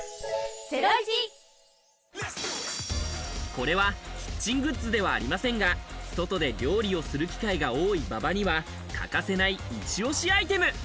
これはキッチングッズではありませんが、外で料理をする機会が多い馬場には欠かせない一押しアイテム。